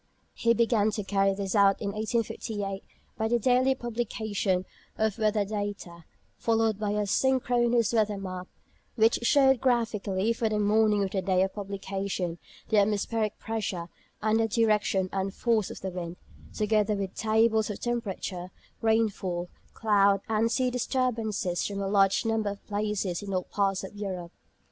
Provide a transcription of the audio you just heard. He began to carry this out in 1858 by the daily publication of weather data, followed by a synchronous weather map, which showed graphically for the morning of the day of publication the atmospheric pressure and the direction and force of the wind, together with tables of temperature, rainfall, cloud, and sea disturbances from a large number of places in all parts of Europe.